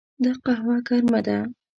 دا قهوه ګرمه ده.